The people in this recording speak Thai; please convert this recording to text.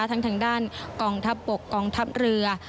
ทางด้านกองทัพบกกองทัพเรือ